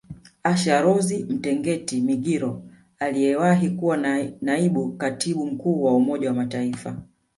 Asha Rose Mtengeti Migiro aliyewahi kuwa Naibu Katibu Mkuu wa Umoja wa Mataifa